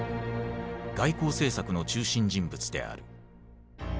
外交政策の中心人物である。